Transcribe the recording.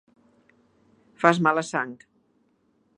Fas mala sang.